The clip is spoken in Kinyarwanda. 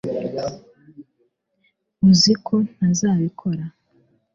uzi ko ntazabikora